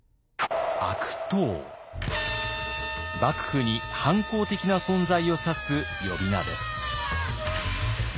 幕府に反抗的な存在を指す呼び名です。